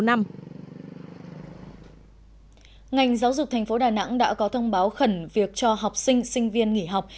ngành giáo dục tp đà nẵng đã có thông báo khẩn việc cho học sinh sinh viên nghỉ học